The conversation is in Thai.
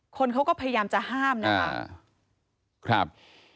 คนเขาก็พยายามจะห้ามนะครับ